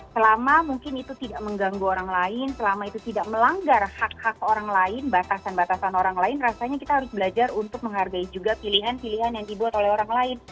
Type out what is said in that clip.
selama mungkin itu tidak mengganggu orang lain selama itu tidak melanggar hak hak orang lain batasan batasan orang lain rasanya kita harus belajar untuk menghargai juga pilihan pilihan yang dibuat oleh orang lain